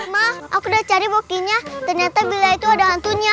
ma aku udah cari boki nya ternyata bella itu ada hantunya